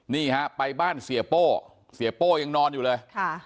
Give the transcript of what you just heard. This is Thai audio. นี่ฮะไปบ้านเสียโป้เสียโป้ยังนอนอยู่เลย